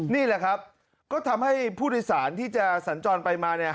นี่แหละครับก็ทำให้ผู้โดยสารที่จะสัญจรไปมาเนี่ย